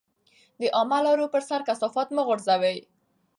د عامه لارو پر سر کثافات مه غورځوئ.